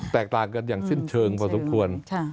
แตกต่างกันอย่างสิ้นเชิงพอสมควร